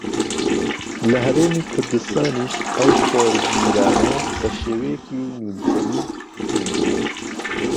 لە ھەرێمی کوردستانیش ئەو خۆرگیرانە بە شێوەیەکی نیمچەیی بیندرا